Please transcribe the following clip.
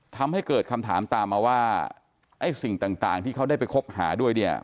ทำให้เกิดคำถามตามมาว่าไอ้สิ่งต่างที่เขาได้ไปคบหาด้วยเนี่ย